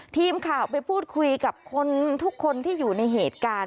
ทีมข่าวไปพูดคุยกับคนทุกคนที่อยู่ในเหตุการณ์